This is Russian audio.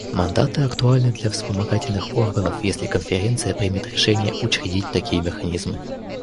Мандаты актуальны для вспомогательных органов, если Конференция примет решение учредить такие механизмы.